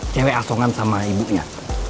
cewek asongan sama ibunya